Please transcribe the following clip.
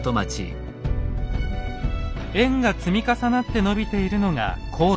円が積み重なって延びているのが航路です。